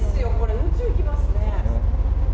宇宙行きますね。